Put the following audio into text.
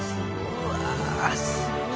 うわすごい！